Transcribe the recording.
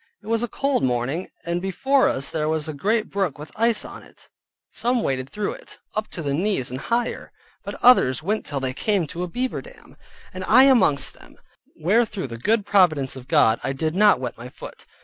It was a cold morning, and before us there was a great brook with ice on it; some waded through it, up to the knees and higher, but others went till they came to a beaver dam, and I amongst them, where through the good providence of God, I did not wet my foot.